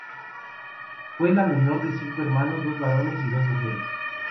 Fue la menor de cinco hermanos, dos varones y dos mujeres.